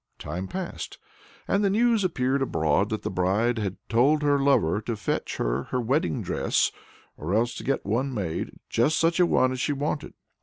Time passed, and the news spread abroad that the bride had told her lover to fetch her her wedding dress or else to get one made, just such a one as she wanted.